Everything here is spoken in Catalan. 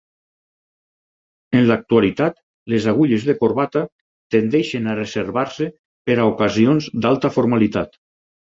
En l'actualitat les agulles de corbata tendeixen a reservar-se per a ocasions d'alta formalitat.